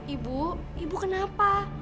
ibu ibu kenapa